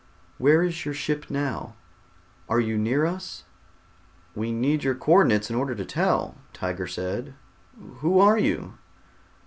"Where is your ship now? Are you near to us?" "We need your co ordinates in order to tell," Tiger said. "Who are you?"